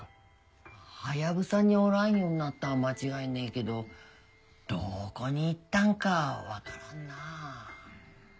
ハヤブサにおらんようになったんは間違いねえけどどこに行ったんかはわからんなあ。